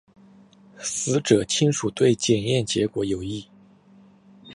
死者亲属对检验结果有异。